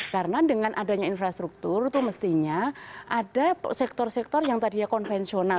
karena dengan adanya infrastruktur itu mestinya ada sektor sektor yang tadinya konvensional